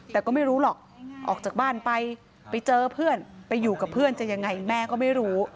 แต่ก็ไม่รู้หรอกออกจากบ้านไปไปเจอเพื่อนไปอยู่กับเพื่อนจะยังไงแม่ก็ไม่รู้